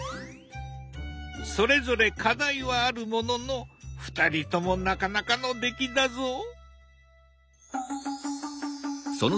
それぞれ課題はあるものの２人ともなかなかの出来だぞ。